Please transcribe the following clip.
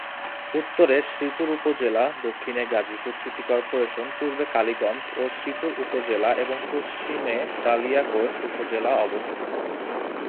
উত্তরে শ্রীপুর উপজেলা, দক্ষিণে গাজীপুর সিটি করপোরেশন, পূর্বে কালীগঞ্জ ও শ্রীপুর উপজেলা এবং পশ্চিমে কালিয়াকৈর উপজেলা অবস্থিত।